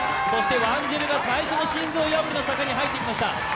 ワンジルが最初の心臓破りの坂に入ってきました。